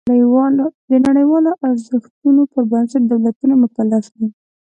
د نړیوالو ارزښتونو پر بنسټ دولتونه مکلف دي.